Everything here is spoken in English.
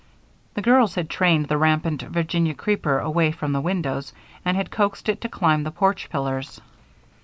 The girls had trained the rampant Virginia creeper away from the windows and had coaxed it to climb the porch pillars.